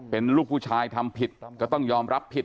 เป็นลูกผู้ชายทำผิดก็ต้องยอมรับผิด